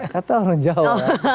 kata orang jawa